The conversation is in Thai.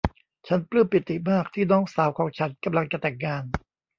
ฉันปลื้มปิติมากที่น้องสาวของฉันกำลังจะแต่งงาน